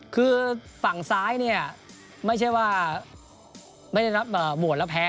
คือฝั่งซ้ายเนี่ยไม่ใช่ว่าไม่ได้รับโหวตแล้วแพ้